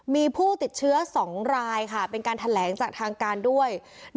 มีผู้ติดเชื้อ๒รายค่ะเป็นการแถลงจากทางการด้วย